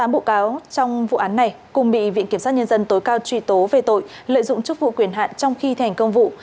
tám bị cáo trong vụ án này cùng bị viện kiểm sát nhân dân tối cao truy tố về tội lợi dụng chức vụ quyền hạn trong khi thành công vụ